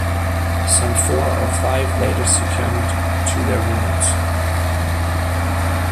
Some four or five later succumbed to their wounds.